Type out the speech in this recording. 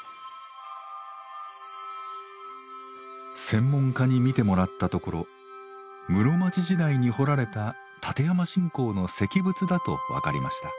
専門家に見てもらったところ室町時代に彫られた立山信仰の石仏だと分かりました。